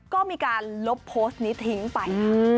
ก็มีการลบโพสต์นี้ทิ้งไปค่ะ